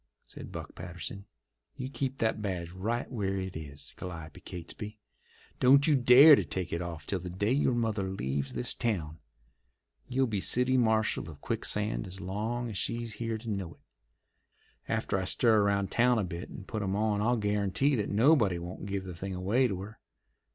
said Buck Patterson. "You keep that badge right where it is, Calliope Catesby. Don't you dare to take it off till the day your mother leaves this town. You'll be city marshal of Quicksand as long as she's here to know it. After I stir around town a bit and put 'em on I'll guarantee that nobody won't give the thing away to her.